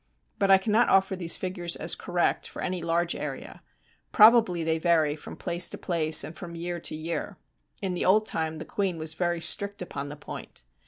But I cannot offer these figures as correct for any large area. Probably they vary from place to place and from year to year. In the old time the queen was very strict upon the point.